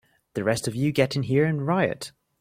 The rest of you get in here and riot!